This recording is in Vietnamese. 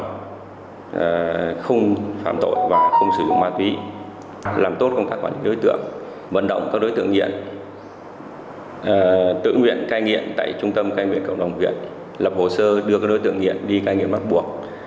và không phạm tội và không sử dụng ma túy làm tốt công tác quản lý đối tượng vận động các đối tượng nghiện tự nguyện cai nghiện tại trung tâm cai nghiện cộng đồng huyện lập hồ sơ đưa các đối tượng nghiện đi cai nghiện bắt buộc